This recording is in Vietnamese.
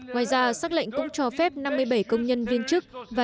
ngoài ra xác lệnh cũng cho phép năm mươi bảy công nhân viên chức và nhân viên